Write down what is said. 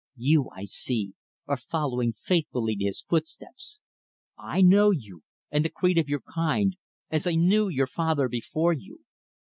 You, I see, are following faithfully his footsteps. I know you, and the creed of your kind as I knew your father before you.